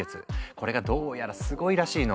これがどうやらすごいらしいの。